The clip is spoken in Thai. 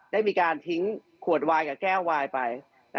ได้มีการทิ้งขวดวายกับแก้ววายไป